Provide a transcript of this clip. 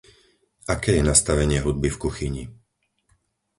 Aké je nastavenie hudby v kuchyni?